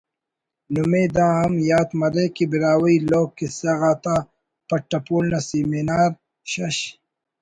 نمے دا ہم یات مرے کہ ”براہوئی لوک کسہ غاتا پٹ پول نا سیمینار شش